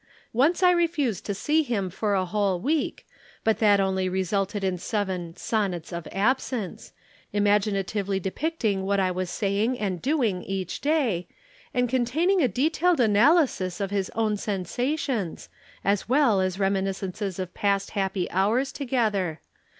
Once I refused to see him for a whole week, but that only resulted in seven 'Sonnets of Absence,' imaginatively depicting what I was saying and doing each day, and containing a detailed analysis of his own sensations, as well as reminiscences of past happy hours together.